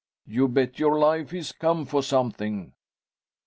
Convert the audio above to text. You bet your life he's come for something.'